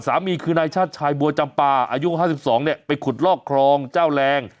สามีคือในชาติชายบัวจับปลาอายุห้าสิบสองเนี่ยไปขุดลอกครองเจ้าแรง